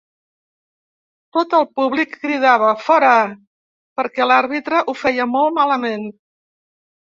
Tot el públic cridava: fora!, perquè l'àrbitre ho feia molt malament.